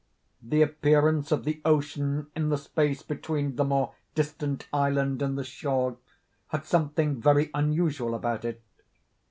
The appearance of the ocean, in the space between the more distant island and the shore, had something very unusual about it.